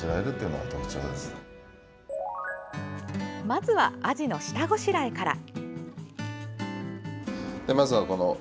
まずはアジの下ごしらえから。